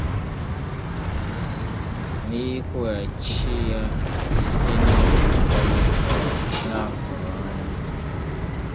na ịkwụghàchi ya site n'ịrụpụta ihe a hụrụ anya.